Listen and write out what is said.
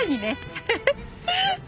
フフフッ。